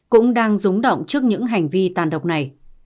cũng đang rúng động trước những hành vi tàn độc này